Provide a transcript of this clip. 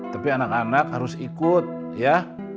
tapi anak anak harus ikut ya